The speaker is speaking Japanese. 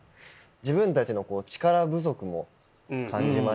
自分たちの力不足も感じましたし。